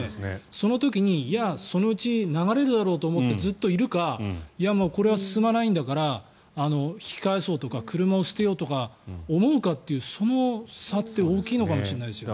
その時にそのうち流れるだろうと思ってずっといるかいや、これは進まないんだから引き返そうとか車を捨てようとかそう思うかという差って大きいのかもしれないですね。